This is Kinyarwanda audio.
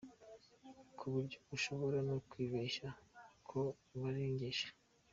ku buryo ushobora no kwibeshya ko barengeje